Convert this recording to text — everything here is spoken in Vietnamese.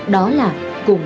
đó là cùng vượt qua đại dịch